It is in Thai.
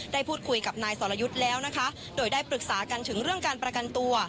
ได้พูดคุยกับนายสรยุทธ์แล้วนะคะโดยได้ปรึกษากันถึงเรื่องการประกันตัว